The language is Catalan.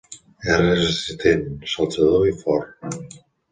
És resistent, saltador i fort.